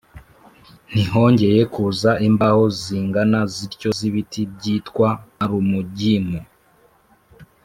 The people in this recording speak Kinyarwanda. ntihongeye kuza imbaho zingana zityo z ibiti byitwa alumugimu